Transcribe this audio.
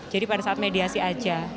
jadi pada saat mediasi aja